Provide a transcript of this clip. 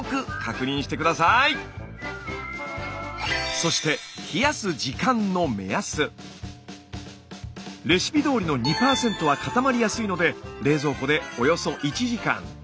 そしてレシピどおりの２％は固まりやすいので冷蔵庫でおよそ１時間。